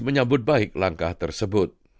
menyambut baik langkah tersebut